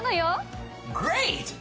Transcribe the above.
グレート！